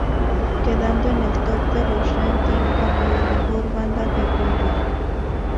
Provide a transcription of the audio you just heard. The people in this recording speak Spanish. Quedando en el top de los ranking como la mejor banda de Grunge.